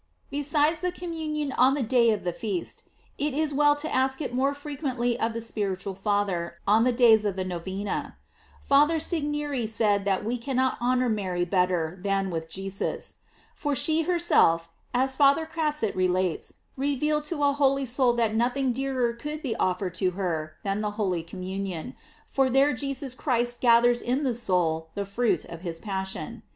Be sides the communion on the day of the feast, it is well to ask it more frequently of the spiritual father on the days of the Novena. Father Segneri said that we cannot honor Mary better than with Jesus. For she herself, as Father Crasset relates,* revealed to a holy soul that nothing dearer could be offered to her than the holy communion, for there Jesus Christ gathers in the soul the fruit of his passion.